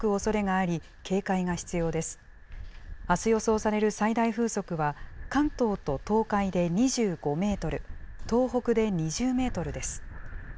あす予想される最大風速は、関東と東海で２５メートル、東北で２０メートルです。